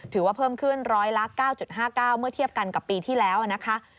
ถือว่าเพิ่มขึ้นร้อยละ๙๕๙เมื่อเทียบกันกับปีที่แล้วนะคะ